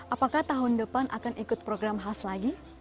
apakah tahun depan akan ikut program khas lagi